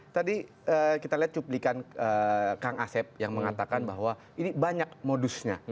tadi kita lihat cuplikan kang asep yang mengatakan bahwa ini banyak modusnya